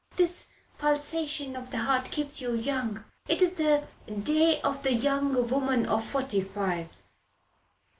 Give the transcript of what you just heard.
This pulsation of the heart keeps you young. It is the day of the young woman of forty five."